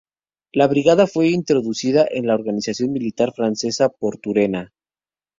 La brigada fue introducida en la organización militar francesa por Turena.